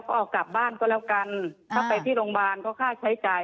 ก็เอากลับบ้านก็แล้วกันถ้าไปที่โรงพยาบาลก็ค่าใช้จ่าย